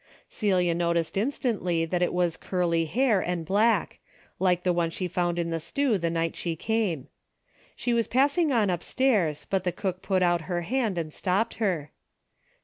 Celia noticed instantly that it was curly hair and black, like the one she found in the stew the night she came. She was passing on upstairs but the cook put out her hand and stopped her.